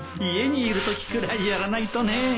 家にいるときくらいやらないとね。